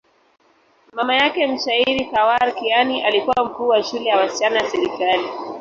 Mama yake, mshairi Khawar Kiani, alikuwa mkuu wa shule ya wasichana ya serikali.